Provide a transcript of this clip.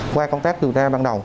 qua công tác điều tra ban đầu